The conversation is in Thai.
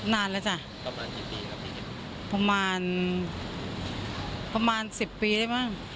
นานแล้วจ้ะประมาณสิบปีครับประมาณประมาณสิบปีได้ไหม